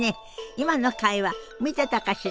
今の会話見てたかしら？